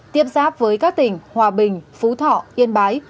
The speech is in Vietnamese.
tiếp giáp với các tỉnh hòa bình phú thọ yên bái